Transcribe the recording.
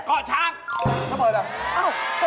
เกาะช้างเปิดละ